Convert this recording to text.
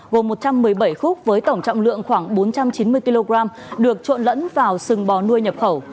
gồm một trăm một mươi bảy khúc với tổng trọng lượng khoảng bốn trăm chín mươi kg được trộn lẫn vào sừng bò nuôi nhập khẩu